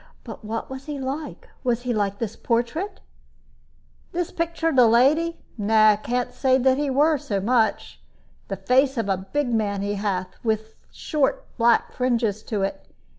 "But what was he like? Was he like this portrait?" "This picture of the lady? No; I can't say that he were, so much. The face of a big man he hath, with short black fringes to it.